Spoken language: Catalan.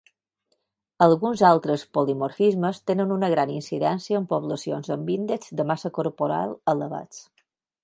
Alguns altres polimorfismes tenen una gran incidència en poblacions amb índexs de massa corporal elevats.